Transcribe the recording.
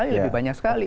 lebih banyak sekali